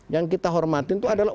yang kita hormatin itu adalah